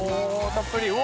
たっぷりお！